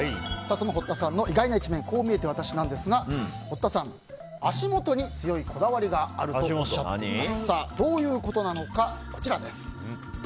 堀田さんの意外な一面こう見えてワタシなんですが堀田さん、足元に強いこだわりがあるとおっしゃっています。